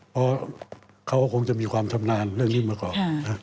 เพราะเขาก็คงจะมีความชำนาญเรื่องนี้มาก่อน